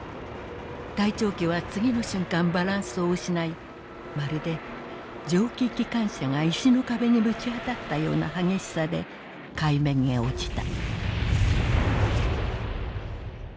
隊長機はつぎの瞬間バランスを失いまるで蒸気機関車が石の壁にぶちあたったような激しさで海面へ落ちた」。